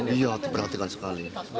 iya diperhatikan sekali